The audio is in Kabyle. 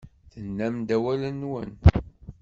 Tennam-d awal-nwen.